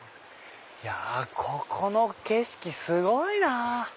ここの景色すごいなぁ。